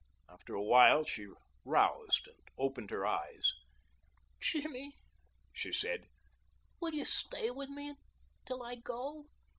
After a while she roused again and opened her eyes. "Jimmy," she said, "will you stay with me until I go?"